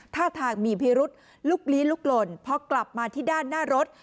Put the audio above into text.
ท่าทางมีพิรุษลุกลี้ลุกหล่นพอกลับมาที่ด้านหน้ารถ